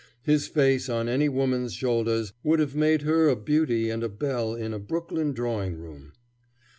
His face on any woman's shoulders would have made her a beauty and a belle in a Brooklyn drawing room.